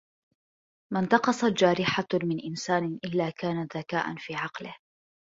مَا انْتَقَصَتْ جَارِحَةٌ مِنْ إنْسَانٍ إلَّا كَانَتْ ذَكَاءً فِي عَقْلِهِ